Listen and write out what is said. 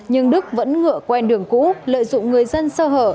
nhưng đức vẫn ngựa quen đường cũ lợi dụng người dân sơ hở